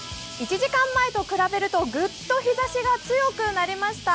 １時間前と比べるとグッと日ざしが強くなりました。